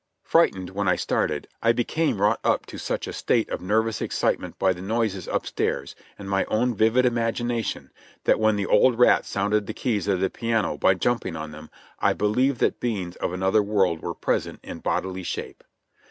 Frightened when I started, I became wrought up to such a state of nervous excitement by the noises up stairs and my own vivid imagination, that when the old rat sounded the keys of the piano by jumping on them, I believed that beings of another world were present in bodily shape.